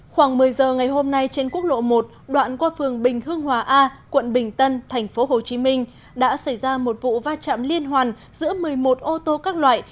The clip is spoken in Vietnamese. khoảng một mươi giờ ngày hôm nay trên quốc lộ một đoạn qua phường bình hương hòa a quận bình tân tp hcm đã xảy ra một vụ va chạm liên hoàn giữa một mươi một ô tô các loại